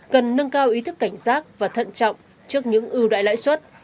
cần nâng cao ý thức cảnh giác và thận trọng trước những ưu đại lãi suất